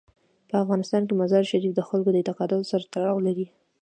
په افغانستان کې مزارشریف د خلکو د اعتقاداتو سره تړاو لري.